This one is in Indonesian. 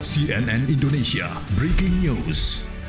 cnn indonesia breaking news